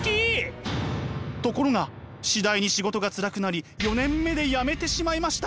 ところが次第に仕事がつらくなり４年目で辞めてしまいました。